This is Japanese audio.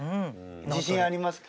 自信ありますか？